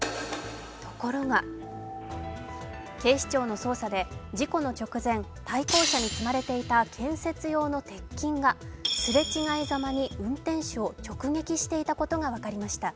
ところが警視庁の捜査で事故の直前、対向車に積まれていた建設用の鉄筋がすれ違いざまに運転手を直撃していたことが分かりました。